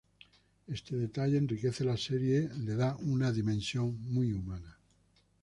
Este detalle enriquece la serie, le da una dimensión muy humana.